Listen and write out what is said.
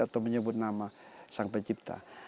atau menyebut nama sang pencipta